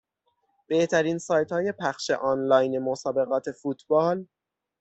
بهترین سایتهای پخش آنلاین مسایقات فوتبال